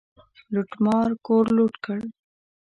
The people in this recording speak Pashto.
لوټمار کور لوټ کړ.